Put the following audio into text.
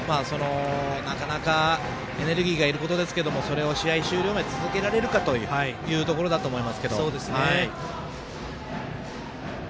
なかなかエネルギーがいることですけどそれを試合終了まで続けられるかというところだと思いますけど。